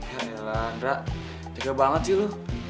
ya elah andra tega banget sih lo